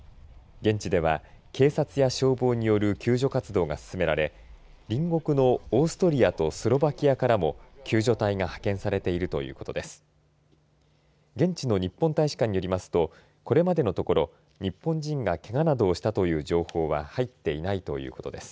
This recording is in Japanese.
現地では警察や消防による救助活動が進められ隣国のオーストリアとスロバキアからも救助隊が派遣されているということです。